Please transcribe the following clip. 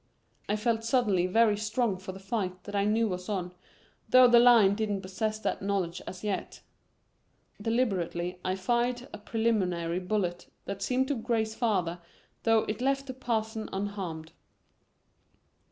I felt suddenly very strong for the fight that I knew was on, though the lion didn't possess that knowledge as yet. Deliberately I fired a preliminary bullet that seemed to graze father, though it left the Parson unharmed.